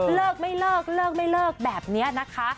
เลิกไม่เลิกเลิกไม่เลิกแบบนี้นะคะ